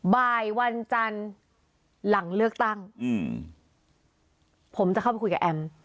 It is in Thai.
บ่ายวันจันทร์หลังเลือกตั้งอืมผมจะเข้าไปคุยกับแอม